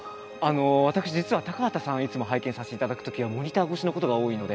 私実は高畑さんをいつも拝見させていただくときはモニター越しのことが多いので。